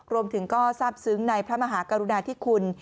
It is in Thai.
รวมถึงก็ทราบซึ้งในพระมหากรุณาธิคุณ